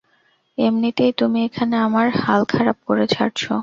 এমনিতেই তুমি এখানে আমার হাল খারাপ করে ছাড়ছো।